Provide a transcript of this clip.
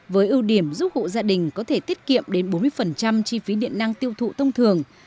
với ưu điểm giúp hộ gia đình có thể tiết kiệm đến bốn mươi chi phí điện năng tiêu thụ thông thường